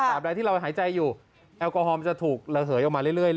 ใดที่เราหายใจอยู่แอลกอฮอลจะถูกระเหยออกมาเรื่อย